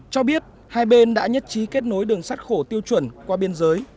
cho biết hai bên đã nhất trí kết nối đường sắt khổ tiêu chuẩn qua biên giới